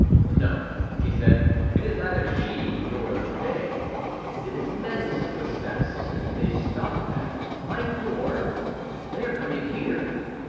"No," he said, "it is neither she nor they; it is men's footsteps, and they stop at my door—they are coming here."